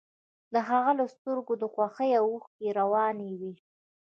د هغه له سترګو د خوښۍ اوښکې روانې وې